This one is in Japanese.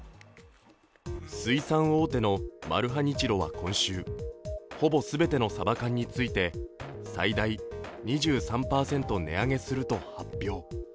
水産大手のマルハニチロは今週、ほぼ全てのサバ缶について最大２３％値上げすると発表。